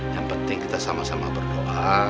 yang penting kita sama sama berdoa